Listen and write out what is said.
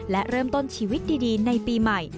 และเริ่มต้นชีวิตดีในปีใหม่